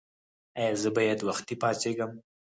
ایا زه باید وختي پاڅیږم؟